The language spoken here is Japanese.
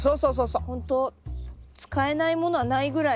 何かほんと使えないものはないぐらい。